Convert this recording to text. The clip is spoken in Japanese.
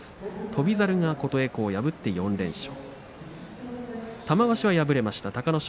翔猿が琴恵光を破って４連勝。